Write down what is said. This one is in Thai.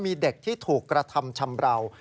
มีเด็กที่ถูกกระทำชำราว